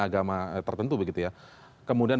agama tertentu kemudian